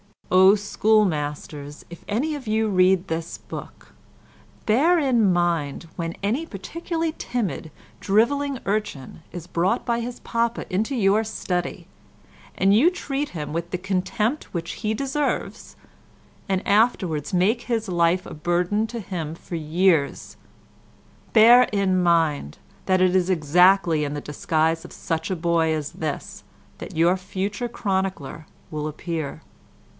O schoolmasters—if any of you read this book—bear in mind when any particularly timid drivelling urchin is brought by his papa into your study, and you treat him with the contempt which he deserves, and afterwards make his life a burden to him for years—bear in mind that it is exactly in the disguise of such a boy as this that your future chronicler will appear.